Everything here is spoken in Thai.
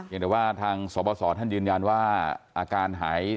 อย่างแต่ว่าทางสบสท่านยืนยันว่าอาการหาย